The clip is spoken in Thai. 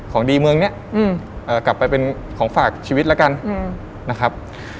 ของดีเมืองนี้กลับไปเป็นของฝากชีวิตแล้วกันนะครับ